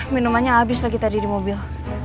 minumannya habis lagi tadi di mobil